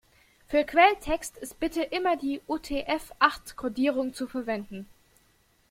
Für Quelltext ist bitte immer die UTF-acht-Kodierung zu verwenden.